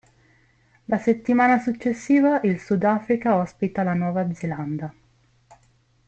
La settimana successiva, il Sud Africa ospita la Nuova Zelanda.